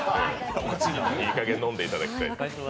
いいかげん飲んでいただきたい。